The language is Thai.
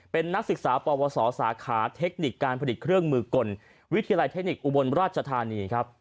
เป็นนักศึกษาปวสสาขาเทคนิคการผลิตเครื่องมือกลวิทยาลัยเทคนิคอุบลราชธานีครับ